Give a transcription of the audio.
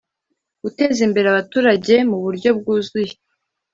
Guteza imbere abaturage mu buryo bwuzuye